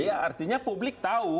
iya artinya publik tahu